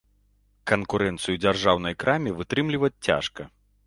Канкурэнцыю дзяржаўнай краме вытрымліваць цяжка.